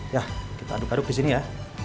ya kita aduk aduk ke sini ya